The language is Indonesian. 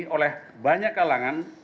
oleh banyak kalangan